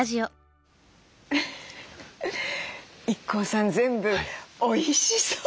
ＩＫＫＯさん全部おいしそう。